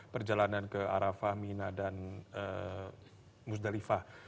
perjalanan ke arafah mina dan musdalifah